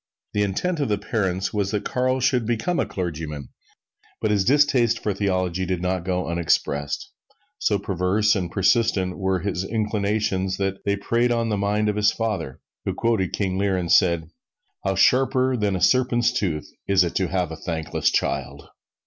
The intent of the parents was that Carl should become a clergyman, but his distaste for theology did not go unexpressed. So perverse and persistent were his inclinations that they preyed on the mind of his father, who quoted King Lear and said, "How sharper than a serpent's tooth it is to have a thankless child!"